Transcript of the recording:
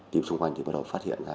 tìm xung quanh thì bắt đầu phát hiện